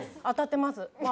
当たってます。